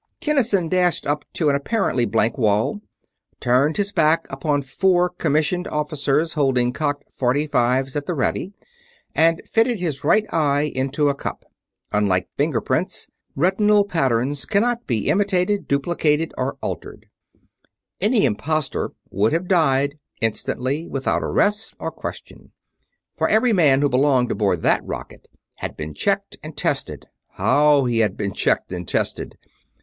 Kinnison dashed up to an apparently blank wall, turned his back upon four commissioned officers holding cocked forty fives at the ready, and fitted his right eye into a cup. Unlike fingerprints, retinal patterns cannot be imitated, duplicated, or altered; any imposter would have died instantly, without arrest or question. For every man who belonged aboard that rocket had been checked and tested how he had been checked and tested!